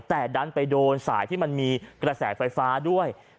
แต่ดันไปโดนสายที่มันมีกระแสไฟฟ้าด้วย